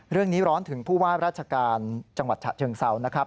เรื่องนี้ร้อนถึงผู้ว่ารัชการจังหวัดฉะเชิงเศร้านะครับ